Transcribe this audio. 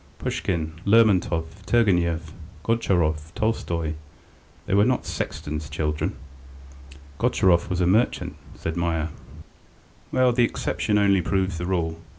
Pushkin, Lermontov, Turgenev, Gontcharov, Tolstoy, they were not sexton's children." "Gontcharov was a merchant," said Meier. "Well, the exception only proves the rule.